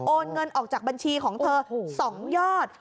เงินออกจากบัญชีของเธอ๒ยอด